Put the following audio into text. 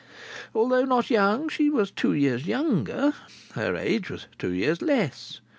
Although not young, she was two years younger. Her age was two years less.